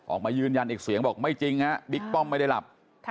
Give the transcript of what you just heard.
ออกมายืนยันอีกเสียงบอกไม่จริงฮะบิ๊กป้อมไม่ได้หลับ